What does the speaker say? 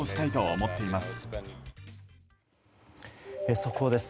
速報です。